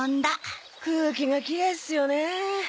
空気がきれいっすよね。